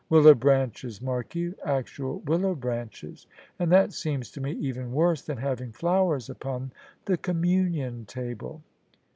Willow branches, mark you: actual willow branches: and that seems to me even worse than having flowers upon the Communion Table.